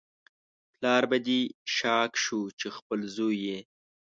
پلار په دې شاک شو چې خپل زوی یې